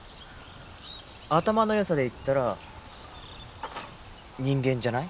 頭のよさで言ったら人間じゃない？